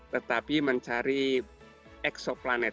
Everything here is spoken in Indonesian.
tetapi mencari eksoplanet